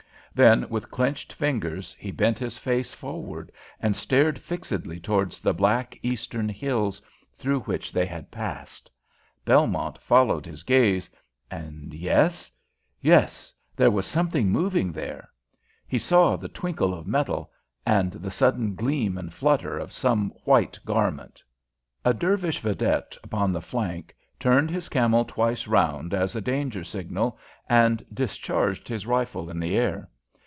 Then, with clenched fingers, he bent his face forward and stared fixedly towards the black eastern hills through which they had passed. Belmont followed his gaze, and, yes yes there was something moving there! He saw the twinkle of metal, and the sudden gleam and flutter of some white garment. A Dervish vedette upon the flank turned his camel twice round as a danger signal, and discharged his rifle in the air.